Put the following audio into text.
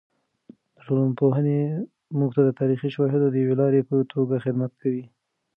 د ټولنپوهنه موږ ته د تاریخي شواهدو د یوې لارې په توګه خدمت کوي.